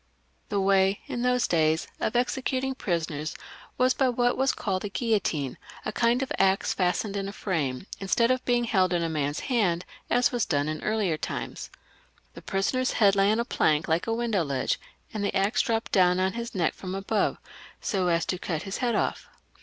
The way in those days of executing prisoners was by what was called a guillotine, a kind of axe fastened in a frame, instead of being held in a man's hand, as was done in old times. The prisoner had to lay his head on a ledge like a window ledge, and the axe dropped down on his neck from above, so as to cut his head off.